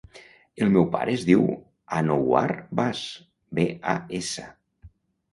El meu pare es diu Anouar Bas: be, a, essa.